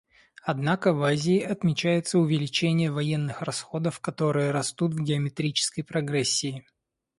Однако в Азии отмечается увеличение военных расходов, которые растут в геометрической прогрессии.